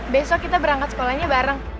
besok kita berangkat sekolahnya bareng